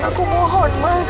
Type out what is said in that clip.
masih aku mohon mas